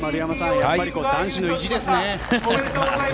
やっぱり男子の意地ですね。